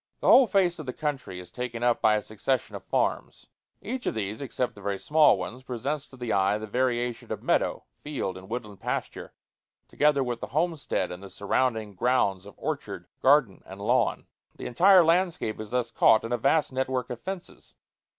The whole face of the country is taken up by a succession of farms. Each of these, except the very small ones, presents to the eye the variation of meadow, field, and woodland pasture, together with the homestead and the surrounding grounds of orchard, garden, and lawn. The entire landscape is thus caught in a vast net work of fences.